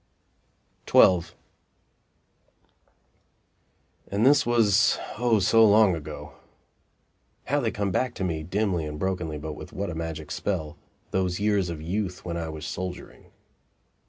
XII And this was, O so long ago! How they come back to me dimly and brokenly, but with what a magic spell those years of youth when I was soldiering!